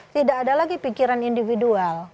tidak ada lagi pikiran individual